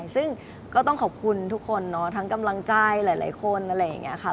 ซึ่งก็ต้องขอบคุณทุกคนเนาะทั้งกำลังใจหลายคนอะไรอย่างนี้ค่ะ